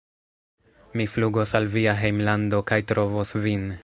Mi flugos al via hejmlando kaj trovos vin